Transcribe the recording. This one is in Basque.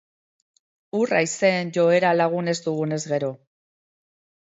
Ur-haizeen joera lagun ez dugunez gero.